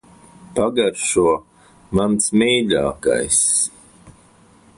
Pagaršo. Mans mīļākais.